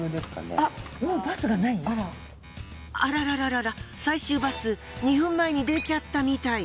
あらららら最終バス２分前に出ちゃったみたい。